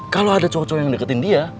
kalau ada cocok yang deketin dia